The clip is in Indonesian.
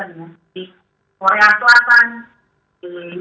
juga harus melaksanakan ini